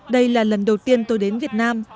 đây là lần đầu tiên tôi đến việt nam